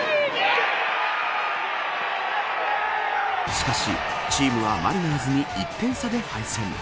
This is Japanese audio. しかし、チームはマリナーズに１点差で敗戦。